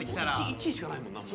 １位しかないもんな。